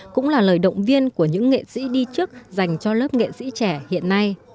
cũng là lời động viên của những nghệ sĩ đi trước dành cho lớp nghệ sĩ trẻ hiện nay